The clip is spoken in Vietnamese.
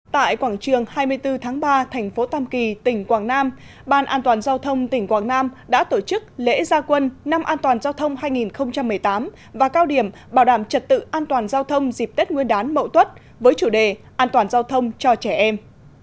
tại quảng trường hai mươi bốn tháng ba thành phố tam kỳ tỉnh quảng nam ban an toàn giao thông tỉnh quảng nam đã tổ chức lễ gia quân năm an toàn giao thông hai nghìn một mươi tám và cao điểm bảo đảm trật tự an toàn giao thông dịp tết nguyên đán mậu tuất với chủ đề an toàn giao thông cho trẻ em